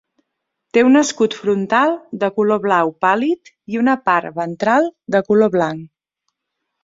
Té un escut frontal de color blau pàl·lid i una part ventral de color blanc.